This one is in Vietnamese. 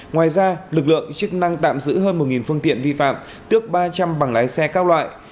ngoài ra lực lượng chức năng tạm giữ hơn một phương tiện vi phạm tước ba trăm linh bằng lái xe các loại